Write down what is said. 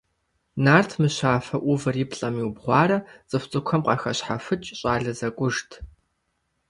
Нарт мыщафэ Ӏувыр и плӀэм иубгъуарэ цӀыху цӀыкӀухэм къахэщхьэхукӀ щӀалэ зэкӀужт.